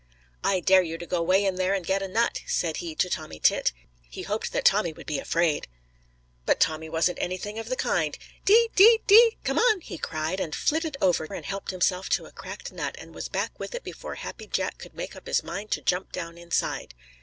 "I dare you to go way in there and get a nut," said he to Tommy Tit. He hoped that Tommy would be afraid. But Tommy wasn't anything of the kind. "Dee, dee, dee! Come on!" he cried, and flitted over and helped himself to a cracked nut and was back with it before Happy Jack could make up his mind to jump down inside.